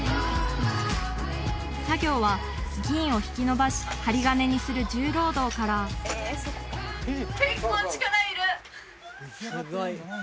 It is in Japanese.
作業は銀を引きのばし針金にする重労働から結構力いる！